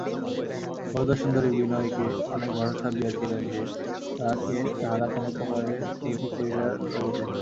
বরদাসুন্দরী বিনয়কে অনেক ভরসা দিয়াছিলেন যে, তাহাকে তাঁহারা কোনোপ্রকারে তৈরি করিয়া লইবেন।